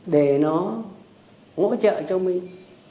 để nó hỗ trợ cho mình